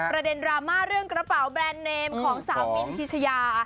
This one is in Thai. ประเด็นดราม่าเรื่องกระเป๋าแบรนด์เนมของสาวมินพิชยา